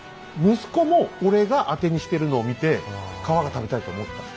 息子も俺がアテにしてるのを見て皮が食べたいと思った。